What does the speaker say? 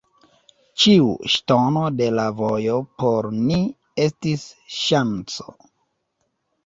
Ĉiu ŝtono de la vojo por ni estis ŝanco.